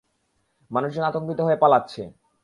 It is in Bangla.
মানুষজন আতংকিত হয়ে পালাচ্ছে!